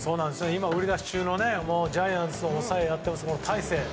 今、売り出し中のジャイアンツの抑えの大勢。